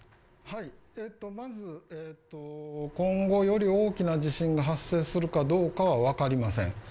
まず今後より大きな地震が発生するかどうかはわかりません